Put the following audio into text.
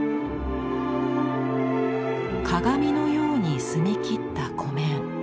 鏡のように澄み切った湖面。